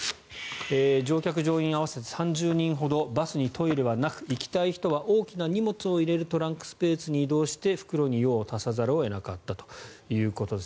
乗客・乗員合わせて３０人ほどバスにトイレはなく行きたい人は大きな荷物を入れるトランクスペースに移動して袋に用を足さざるを得なかったということです。